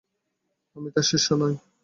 আমি তার শিষ্য নই।